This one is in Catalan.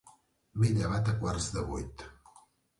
M'he llevat a quarts de vuit.